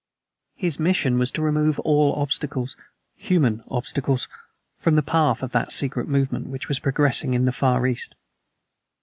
His mission was to remove all obstacles human obstacles from the path of that secret movement which was progressing in the Far East.